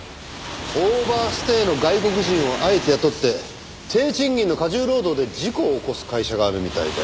オーバーステイの外国人をあえて雇って低賃金の過重労働で事故を起こす会社があるみたいで。